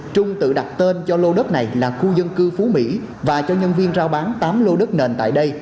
trung tự đặt tên cho lô đất này là khu dân cư phú mỹ và cho nhân viên rao bán tám lô đất nền tại đây